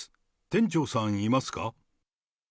店長さん、いますか？